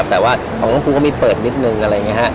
แต่คุณผู้ก็ปิดภาค